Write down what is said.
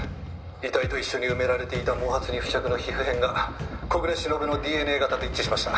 「遺体と一緒に埋められていた毛髪に付着の皮膚片が小暮しのぶのＤＮＡ型と一致しました」